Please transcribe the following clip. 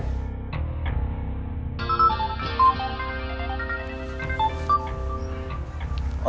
tiga kali sampai saya rumuh